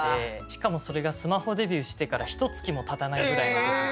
しかもそれがスマホデビューしてからひとつきもたたないぐらいの時で。